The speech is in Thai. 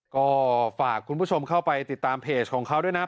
ก็ฝากคุณผู้ชมเข้าไปติดตามเพจของเขาด้วยนะ